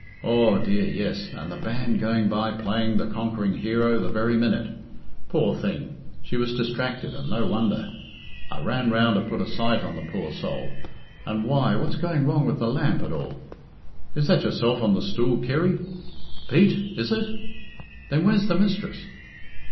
Aw, dear, yes, and the band going by playing 'The Conquering Hero' the very minute. Poor thing! she was distracted, and no wonder. I ran round to put a sight on the poor soul, and why, what's going wrong with the lamp, at all? Is that yourself on the stool, Kirry? Pete, is it? Then where's the mistress?"